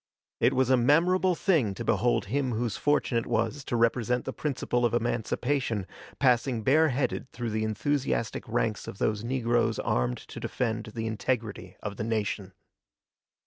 It was a memorable thing to behold him whose fortune it was to represent the principle of emancipation passing bareheaded through the enthusiastic ranks of those negroes armed to defend the integrity of the nation.